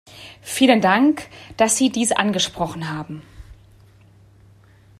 Vielen Dank, dass Sie dies angesprochen haben.